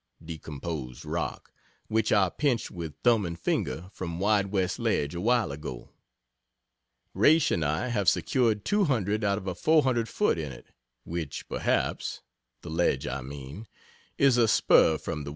(decomposed rock) which I pinched with thumb and finger from "Wide West" ledge awhile ago. Raish and I have secured 200 out of a 400 ft. in it, which perhaps (the ledge, I mean) is a spur from the W.